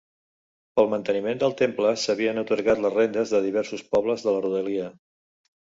Pel manteniment del temple s'havien atorgat les rendes de diversos pobles de la rodalia.